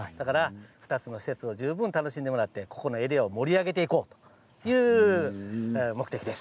２つの施設を十分楽しんでいただいてこのエリアを盛り上げていこうという目的です。